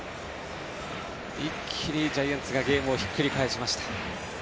一気にジャイアンツがゲームをひっくり返しました。